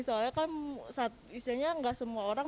soalnya kan isinya nggak semua orang